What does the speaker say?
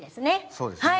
そうですね。